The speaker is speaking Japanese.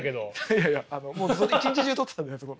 いやいやあのもう一日中撮ってたんであそこ。